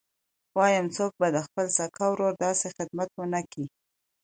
وايم څوک به د خپل سکه ورور داسې خدمت ونه کي.